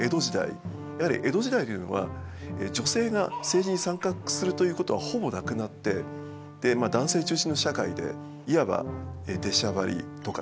やはり江戸時代というのは女性が政治に参画するということはほぼなくなってまあ男性中心の社会でいわば出しゃばりとかですね